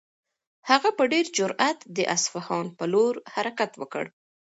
هغه په ډېر جرئت د اصفهان په لور حرکت وکړ.